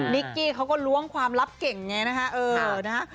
นิกกี้เขาก็ล้วงความลับเก่งไงนะฮะเออนะฮะ